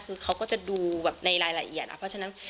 คือเขาก็จะดูแบบในรายละเอียดเพราะฉะนั้น